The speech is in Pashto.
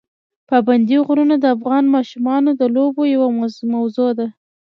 پابندي غرونه د افغان ماشومانو د لوبو یوه موضوع ده.